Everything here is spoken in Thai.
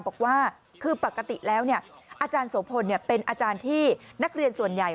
บอกว่าคือปกติแล้วอาจารย์โสพลเป็นอาจารย์ที่นักเรียนส่วนใหญ่